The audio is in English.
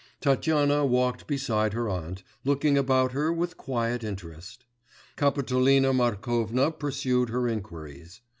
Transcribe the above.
Tatyana walked beside her aunt, looking about her with quiet interest; Kapitolina Markovna pursued her inquiries.